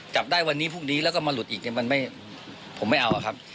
จับได้วันนี้พรุ่งนี้แล้วก็มาหลุดอีกผมไม่เอาครับ